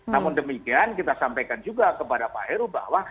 namun demikian kita sampaikan juga kepada pak heru bahwa